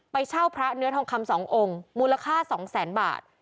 เช่าพระเนื้อทองคำ๒องค์มูลค่า๒แสนบาท